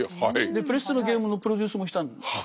でプレステのゲームのプロデュースもしたんです。